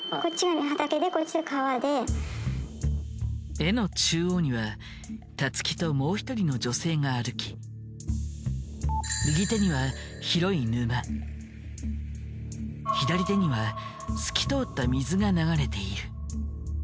絵の中央にはたつきともう一人の女性が歩き右手には広い沼左手には透き通った水が流れている。